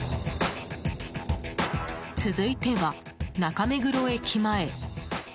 続いては中目黒駅前。